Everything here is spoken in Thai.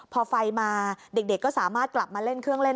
พอไฟมาเด็กก็สามารถกลับมาเล่นเครื่องเล่น